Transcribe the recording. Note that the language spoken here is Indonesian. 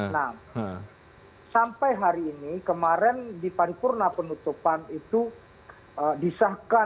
nah sampai hari ini kemarin di paripurna penutupan itu disahkan